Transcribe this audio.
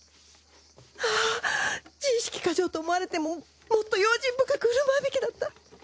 ああ自意識過剰と思われてももっと用心深くふるまうべきだった。